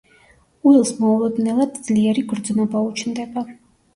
უილს მოულოდნელად ძლიერი გრძნობა უჩნდება.